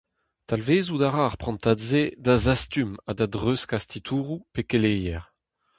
Talvezout a ra ar prantad-se da zastum ha da dreuzkas titouroù pe keleier.